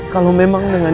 kalau memang dengan